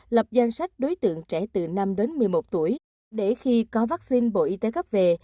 lập danh sách đối tượng trẻ từ năm đến một mươi một tuổi để khi có vaccine bộ y tế gấp về